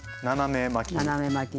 斜め巻き。